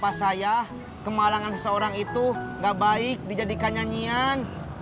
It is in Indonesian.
papa saya kemalangan seseorang itu gak baik dijadikan nyanyian